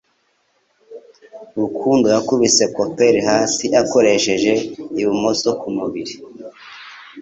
Rukundo yakubise Cooper hasi akoresheje ibumoso ku mubiri